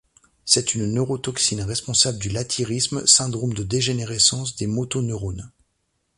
C'est une neurotoxine responsable du lathyrisme, syndrome de dégénérescence des motoneurones.